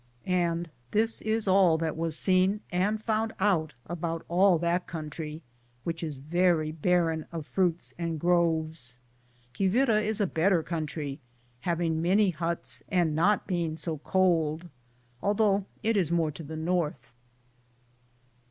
And this is all that was seen and found out about all that country, which is very barren of fruits and groves. Quivira is a better coun try, having many huts and not being so cold, although it is more to the north.